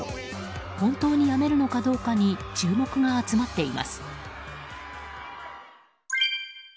本当に辞めるのかどうかに注目が集まっています。